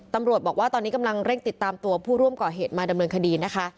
ตำรวจบอกว่าตอนนี้กำลังเร่งติดตามตัวผู้ร่วมก่อเหตุมาดำเนินคดีนะคะ